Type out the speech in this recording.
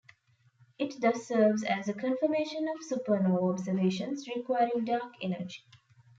It thus serves as a confirmation of supernova observations requiring dark energy.